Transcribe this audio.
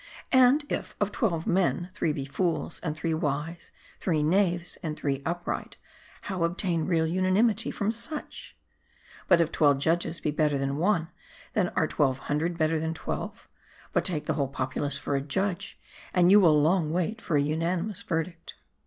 And if, of twelve men, three be fools, and three wise, three knaves, and three upright, how obtain real unanimity from such ?" But if twelve judges be better than one, then are twelve hundred better than twelve. But take the whole popu lace for a judge, and you will long wait for a unanimous verdict.